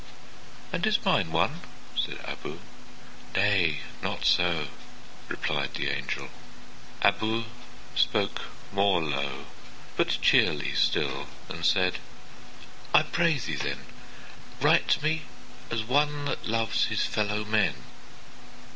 ''And is mine one?' said Abou. 'Nay, not so,'Replied the angel. Abou spoke more low, But cheerly still, and said, 'I pray thee, then, Write me as one that loves his fellow men.